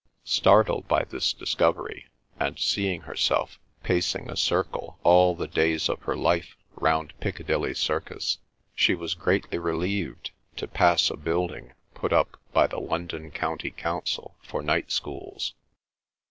Startled by this discovery and seeing herself pacing a circle all the days of her life round Picadilly Circus she was greatly relieved to pass a building put up by the London County Council for Night Schools.